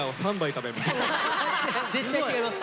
絶対違います。